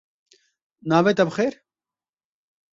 Navê te bi xêr?